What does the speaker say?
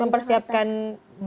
mempersiapkan berapa tim